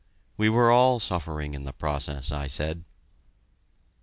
We were all suffering in the process, I said.